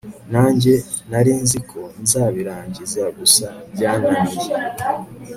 nanjye narinziko nzabirangiza gusa byananiye